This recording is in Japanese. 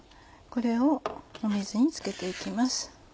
これを水につけて行きます。